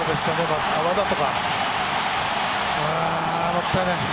もったいない。